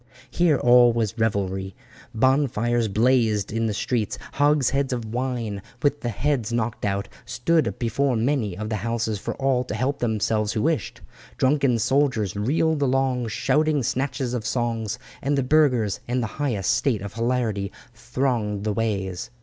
Here all was revelry. Bonfires blazed in the streets. Hogsheads of wine, with the heads knocked out, stood before many of the houses for all to help themselves who wished. Drunken soldiers reeled along shouting snatches of songs, and the burghers in the highest state of hilarity thronged the ways.